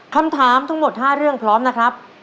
คำถามทั้งหมด๕เรื่องพร้อมนะครับ